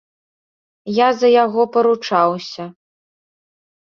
Я за яго паручаўся.